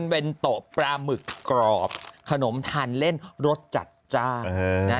เป็นโต๊ะปลาหมึกกรอบขนมทานเล่นรสจัดจ้าน